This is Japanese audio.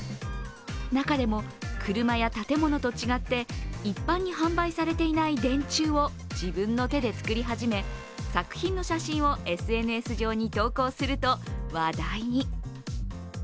中でも車や建物と違って一般に販売されていない電柱を自分の手で作り始め作品の写真をＳＮＳ上に投稿すると話題に。